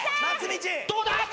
どうだ！？